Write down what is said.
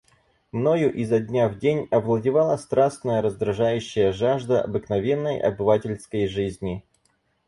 Мною изо дня в день овладевала страстная, раздражающая жажда обыкновенной, обывательской жизни.